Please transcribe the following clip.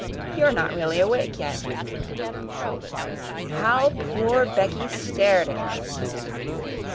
You are not really awake yet." How poor Becky stared at her!